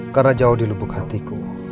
karena jauh di lubuk hatiku